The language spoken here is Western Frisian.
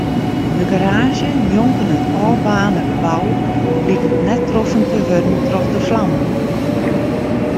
De garaazje njonken it ôfbaarnde gebou liket net troffen te wurden troch de flammen.